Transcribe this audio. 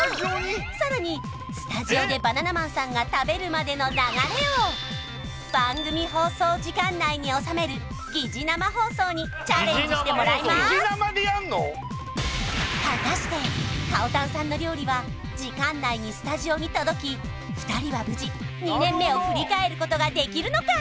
さらにスタジオでバナナマンさんが食べるまでの流れを番組放送時間内に収める疑似生放送にチャレンジしてもらいます果たしてかおたんさんの料理は時間内にスタジオに届き２人は無事２年目を振り返ることができるのか！？